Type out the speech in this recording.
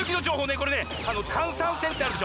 これね炭酸泉ってあるでしょ。